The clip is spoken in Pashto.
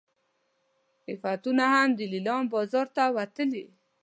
عفتونه هم د لیلام بازار ته وتلي.